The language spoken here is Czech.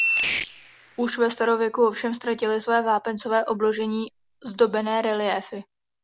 Už ve starověku ovšem ztratily své vápencové obložení zdobené reliéfy.